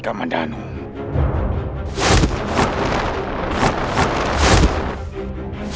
kamu tidak napas